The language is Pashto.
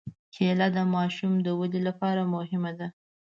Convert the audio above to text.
کېله د ماشوم د ودې لپاره مهمه ده.